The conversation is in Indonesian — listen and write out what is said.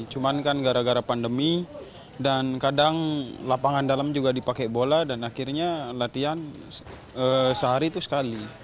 cuman kan gara gara pandemi dan kadang lapangan dalam juga dipakai bola dan akhirnya latihan sehari itu sekali